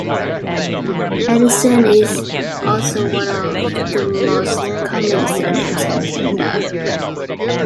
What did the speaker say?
Anderson is also one of the most common surnames in Canada.